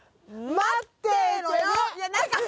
待ってろよ！